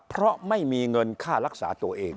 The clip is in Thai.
เพราะไม่มีเงินค่ารักษาตัวเอง